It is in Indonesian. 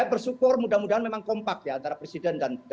saya bersyukur mudah mudahan memang kompak ya antara presiden dan